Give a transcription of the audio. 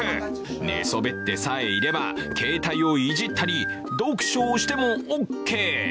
寝そべってさえいれば、携帯をいじったり、読書をしてもオーケー。